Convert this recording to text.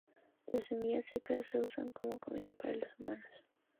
Las semillas secas se usan como comida por los humanos.